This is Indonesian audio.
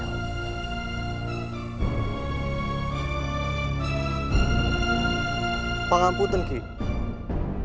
kami sudah mengunggahi porbora halo